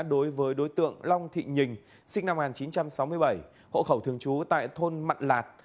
đối với đối tượng long thị nhình sinh năm một nghìn chín trăm sáu mươi bảy hộ khẩu thường trú tại thôn mặt lạt